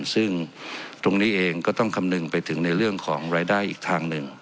ซึ่งตรงนี้เองก็ต้องคำนึงไปถึงในเรื่องของรายได้อีกทางหนึ่ง